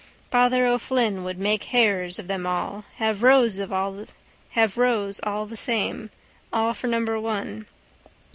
Father O'Flynn would make hares of them all. Have rows all the same. All for number one.